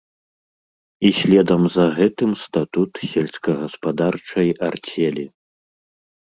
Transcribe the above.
І следам за гэтым статут сельскагаспадарчай арцелі.